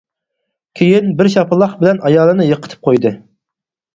كېيىن، بىر شاپىلاق بىلەن ئايالىنى يىقىتىپ قويدى.